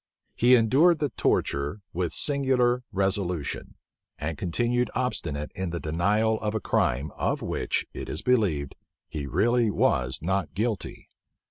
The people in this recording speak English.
He endured the torture with singular resolution, and continued obstinate in the denial of a crime, of which, it is believed, he really was not guilty.